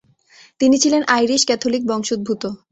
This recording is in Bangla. তিনি ছিলেন আইরিশ-ক্যাথোলিক বংশোদ্ভূত।